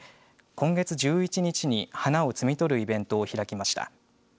今月１１日に花を摘み取るイベントを開きました。